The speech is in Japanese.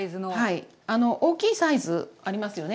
大きいサイズありますよね？